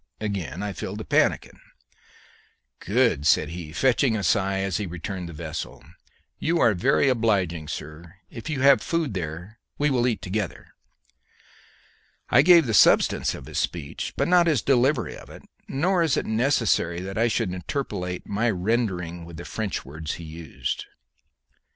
Again I filled the pannikin. "Good!" said he, fetching a sigh as he returned the vessel; "you are very obliging, sir. If you have food there, we will eat together." I give the substance of his speech, but not his delivery of it, nor is it necessary that I should interpolate my rendering with the French words he used.